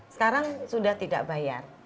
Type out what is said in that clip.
sekarang sudah tidak bayar